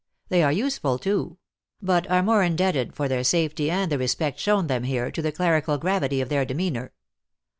They are useful, too ; but are more indebted for their safety, and the respect shown them here, to the clerical gravity of their demeanor."